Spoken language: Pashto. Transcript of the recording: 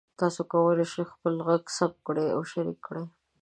تاسو کولی شئ خپل غږ ثبت کړئ او شریک کړئ.